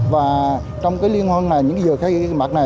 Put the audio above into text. và trong cái liên hoan này những cái dừa khai mạc này